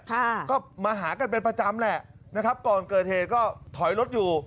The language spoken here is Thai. ค่ะก็มาหากันเป็นประจำแหละนะครับก่อนเกิดเหตุก็ถอยรถอยู่